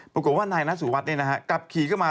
ปรากฏว่านายนัสสุวัสดิ์กลับขี่เข้ามา